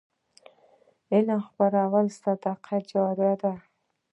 علم خپرول صدقه جاریه ده.